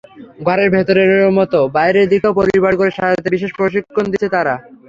ঘরের ভেতরের মতো বাইরের দিকটাও পরিপাটি করে সাজাতে বিশেষ প্রশিক্ষণ দিচ্ছে তারা।